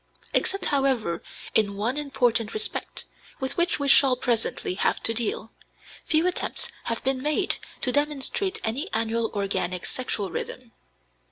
Except, however, in one important respect, with which we shall presently have to deal, few attempts have been made to demonstrate any annual organic sexual rhythm.